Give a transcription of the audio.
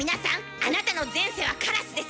あなたの前世はカラスです。